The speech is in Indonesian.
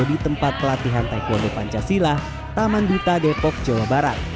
di tempat pelatihan taekwondo pancasila taman duta depok jawa barat